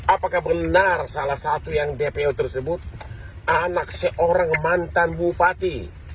apakah benar salah satu yang dpo tersebut anak seorang mantan bupati